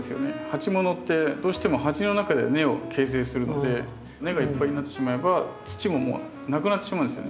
鉢ものってどうしても鉢の中で根を形成するので根がいっぱいになってしまえば土ももうなくなってしまうんですよね。